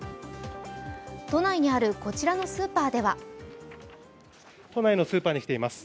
都内にある、こちらのスーパーでは都内のスーパーに来ています。